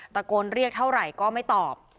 ตะโกนเรียกเท่าไหร่ก็ไม่ตอบ